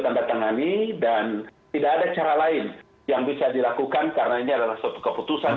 tanda tangani dan tidak ada cara lain yang bisa dilakukan karena ini adalah suatu keputusan